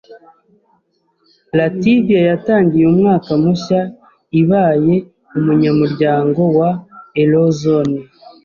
Lativiya yatangiye umwaka mushya ibaye umunyamuryango wa Eurozone